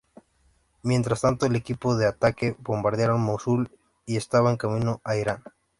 Mientras tanto el equipo de ataque bombardearon Mosul y estaba en camino a Irán.